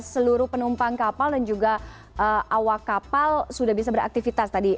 seluruh penumpang kapal dan juga awak kapal sudah bisa beraktivitas tadi